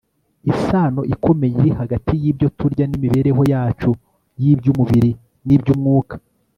isano ikomeye iri hagati y'ibyo turya n'imibereho yacu y'iby'umubiri n'iby'umwuka